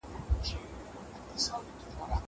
زه پرون بوټونه پاک کړل.